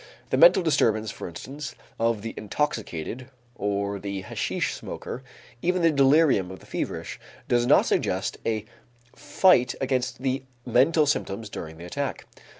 The mental disturbance, for instance, of the intoxicated or the hashish smoker, even the delirium of the feverish, does not suggest a fight against the mental symptoms during the attack.